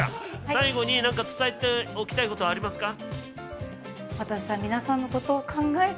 最後になんか伝えておきたい事はありますか？